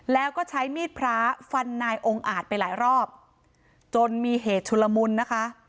แล้วก็ใช้มีดพระฟันนายองค์อาจไปหลายรอบจนมีเหตุชุลมุนนะคะ